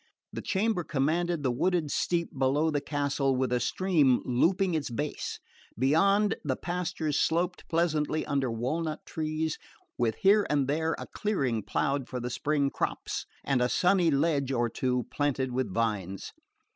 The chamber commanded the wooded steep below the castle, with a stream looping its base; beyond, the pastures sloped pleasantly under walnut trees, with here and there a clearing ploughed for the spring crops and a sunny ledge or two planted with vines.